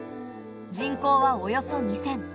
人口はおよそ２，０００。